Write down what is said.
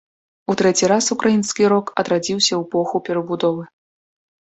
У трэці раз ўкраінскі рок адрадзіўся ў эпоху перабудовы.